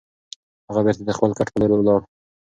هغه بېرته د خپل کټ په لور لاړ.